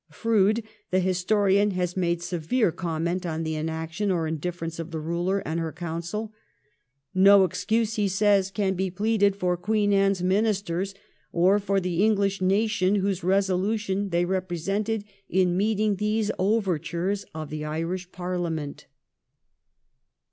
Froude the historian has made severe comment on the inaction or indifference of the ruler and her Council. ' No excuse,' he says, ' can be pleaded for Queen Anne's Ministers, or for the English nation whose resolution they represented in meeting these overtures of the Irish Parliament.'